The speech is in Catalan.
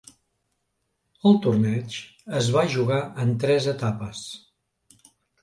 El torneig es va jugar en tres etapes.